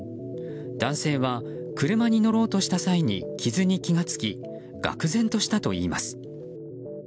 男性は車に乗ろうとした際に傷に気が付きがくぜんとしたといいます。